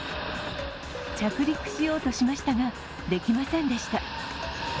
着陸しようとしましたが、できませんでした。